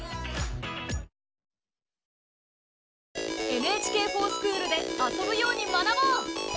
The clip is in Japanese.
「ＮＨＫｆｏｒＳｃｈｏｏｌ」で遊ぶように学ぼう！